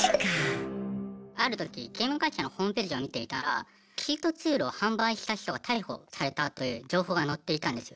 ある時ゲーム会社のホームページを見ていたらチートツールを販売した人が逮捕されたという情報が載っていたんですよ。